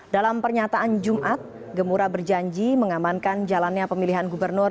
dalam pernyataan jumat gemura berjanji mengamankan jalannya pemilihan gubernur